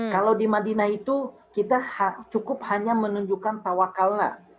kalau di madinah itu kita cukup hanya menunjukkan tawakallah